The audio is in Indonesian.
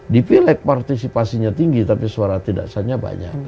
di pileg partisipasinya tinggi tapi suara tidak sahnya banyak